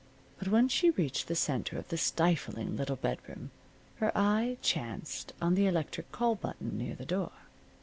But when she reached the center of the stifling little bedroom her eye chanced on the electric call button near the door.